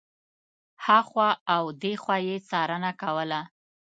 هخوا او دېخوا یې څارنه کوله.